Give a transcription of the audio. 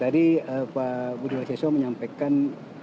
tadi pak budi warseso menyampaikan